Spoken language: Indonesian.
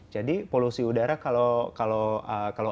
jadi polusi udara kalau